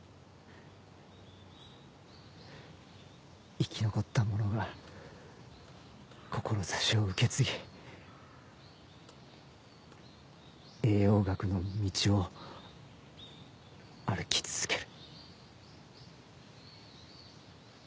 生き残った者が志を受け継ぎ栄養学の道を歩き続ける。